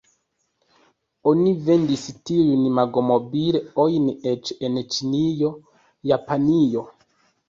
Oni vendis tiujn Magomobil-ojn eĉ en Ĉinio, Japanio.